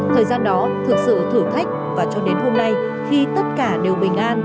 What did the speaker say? thời gian đó thực sự thử thách và cho đến hôm nay khi tất cả đều bình an